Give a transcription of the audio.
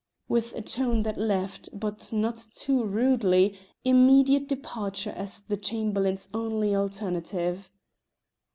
with a tone that left, but not too rudely, immediate departure as the Chamberlain's only alternative.